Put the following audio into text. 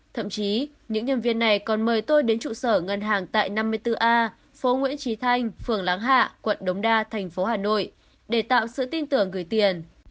thậm chí những nhân viên này còn mời tôi đến trụ sở ngân hàng tại năm mươi bốn a phố nguyễn trí thanh phường láng hạ quận đống đa thành phố hà nội để tạo sự tin tưởng gửi tiền